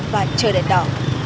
và chờ đèn đỏ